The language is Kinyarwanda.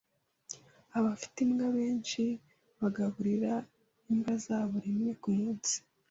Abafite imbwa benshi bagaburira imbwa zabo rimwe kumunsi.